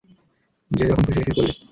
যে যখন খুশি এসে পড়লি?